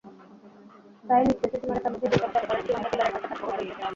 তাই নিজ দেশের সীমারেখার মধ্যেই কৃষক চাষ করেন সীমান্ত পিলারের কাছাকাছি পর্যন্ত।